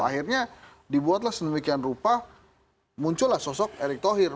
akhirnya dibuatlah sedemikian rupa muncullah sosok erick thohir